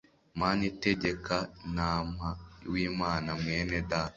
mana itegeka, ntama w'imana mwene data